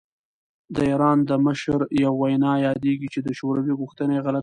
د ایران د مشر یوه وینا یادېږي چې د شوروي غوښتنه یې غلطه بللې.